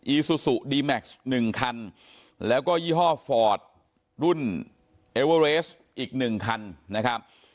อซูซูดีแม็กซ์๑คันแล้วก็ยี่ห้อฟอร์ดรุ่นเอเวอร์เรสอีก๑คันนะครับ